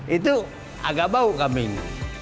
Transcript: itu agak bau kambing